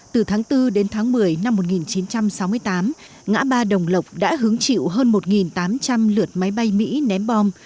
từ tháng bốn đến tháng một mươi năm một nghìn chín trăm sáu mươi tám ngã ba đồng lộc đã hứng chịu hơn một tám trăm linh lượt máy bay mỹ ném bom